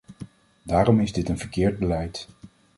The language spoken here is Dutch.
Daarom is dit een verkeerd beleid.